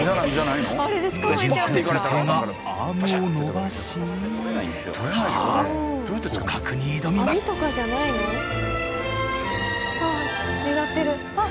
無人潜水艇がアームを伸ばしさあ捕獲に挑みますあっ狙ってるあっ！